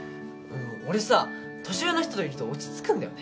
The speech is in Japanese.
俺さ年上の人といると落ち着くんだよね。